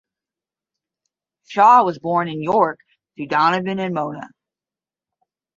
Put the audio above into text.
Shaw was born in York to Donovan and Mona.